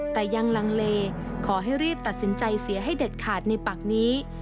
แต่ยังลังเลขอให้รีบตัดสินใจเสียให้เด็ดขาดในปากนี้